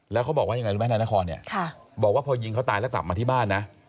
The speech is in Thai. แล้วเขาบอกว่ายังไงรู้ไหมนายนครเนี่ยบอกว่าพอยิงเขาตายแล้วกลับมาที่บ้านนะ